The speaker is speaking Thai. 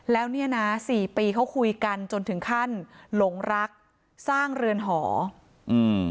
แล้วเนี้ยนะสี่ปีเขาคุยกันจนถึงขั้นหลงรักสร้างเรือนหออืม